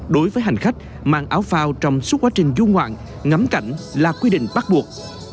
đối với hành khách mang áo phao trong suốt quá trình du ngoạn ngắm cảnh là quy định bắt buộc